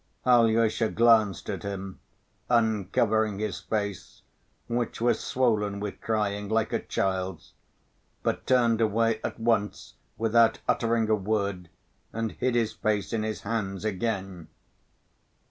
Alyosha glanced at him, uncovering his face, which was swollen with crying like a child's, but turned away at once without uttering a word and hid his face in his hands again.